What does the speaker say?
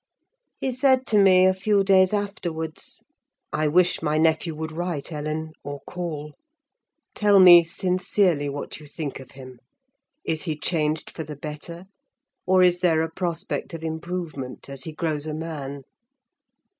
He said to me, a few days afterwards, 'I wish my nephew would write, Ellen, or call. Tell me, sincerely, what you think of him: is he changed for the better, or is there a prospect of improvement, as he grows a man?